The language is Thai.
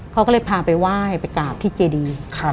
เขาก็เลยพาไปไหว้ไปกราบที่เจดี